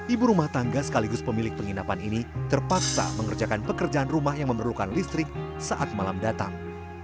ibu rumah tangga sekaligus pemilik penginapan ini terpaksa mengerjakan pekerjaan rumah yang memerlukan listrik saat malam datang